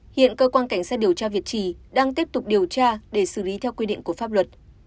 hiện cơ quan cảnh sát điều tra việt trì đang tiếp tục điều tra để xử lý theo quy định của pháp luật